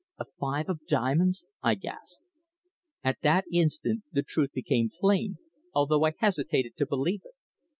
"A five of diamonds!" I gasped. At that instant the truth became plain, although I hesitated to believe it.